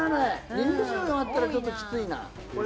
２４あったらちょっときついな。